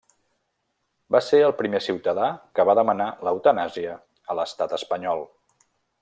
Va ser el primer ciutadà que va demanar l'eutanàsia a l'Estat espanyol.